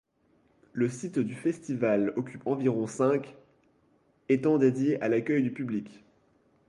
Le site du festival occupe environ cinq étant dédiés à l'accueil du public.